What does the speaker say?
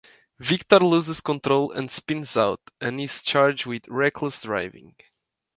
Victor loses control and spins out and is charged with reckless driving.